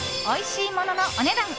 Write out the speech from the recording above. おいしいもののお値段